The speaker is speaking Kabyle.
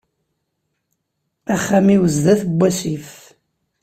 Axxam-iw sdat n wasif.